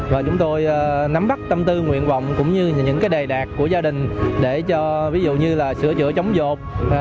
và chúng tôi nắm bắt tâm tư nguyện vọng cũng như những cái đề đạt của gia đình để cho ví dụ như là sửa chữa chống dột